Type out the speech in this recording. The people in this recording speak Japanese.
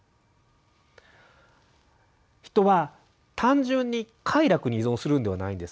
人は単純に快楽に依存するんではないんです。